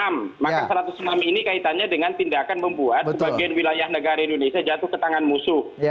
maka satu ratus enam ini kaitannya dengan tindakan membuat sebagian wilayah negara indonesia jatuh ke tangan musuh